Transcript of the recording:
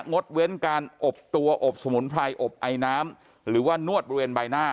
ดเว้นการอบตัวอบสมุนไพรอบไอน้ำหรือว่านวดบริเวณใบหน้า